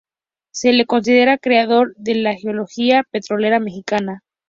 Se le considera creador de la geología petrolera mexicana.